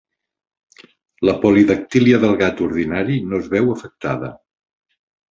La polidactília del gat ordinari no es veu afectada.